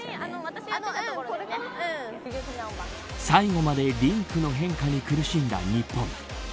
最後までリンクの変化に苦しんだ日本。